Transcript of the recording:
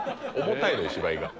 重たいよ芝居が。